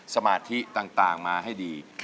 สมาธิต่างมาให้ดี